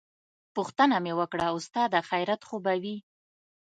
پوښتنه مې وکړه استاده خيريت خو به وي.